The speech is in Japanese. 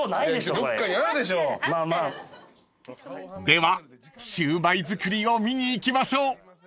［ではシウマイ作りを見に行きましょう］